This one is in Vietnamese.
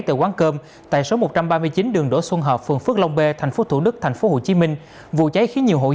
từ quán cơm tại số một trăm ba mươi chín đường đỗ xuân hợp phường phước long b thành phố thủ đức thành phố hồ chí minh